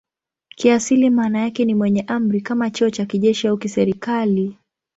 Kiasili maana yake ni "mwenye amri" kama cheo cha kijeshi au kiserikali.